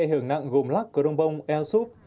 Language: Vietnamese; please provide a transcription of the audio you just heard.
các huyện bị ảnh hưởng nặng gồm lắk cờ đông bông eosup